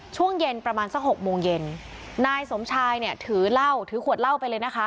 ช่วงเย็นประมาณสักหกโมงเย็นนายสมชายเนี่ยถือเหล้าถือขวดเหล้าไปเลยนะคะ